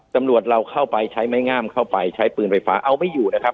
ตำรวจเราเข้าไปใช้ไม้งามเข้าไปใช้ปืนไฟฟ้าเอาไม่อยู่นะครับ